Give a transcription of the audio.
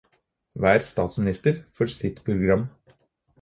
Hver statsminister får sitt program.